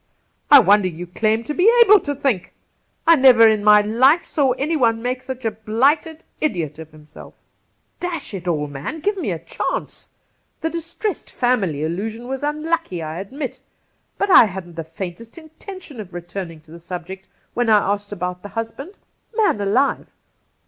I wonder you claim to be able to think ! I never in my life saw any one make such a blighted idiot of himself !' 140 Cassidy ' Dash it all, man ! give me a chance. The " distressed family " allusion was unlucky, I admit; but I hadn't the faintest intention of returning to the subject when I asked about the husband. Man alive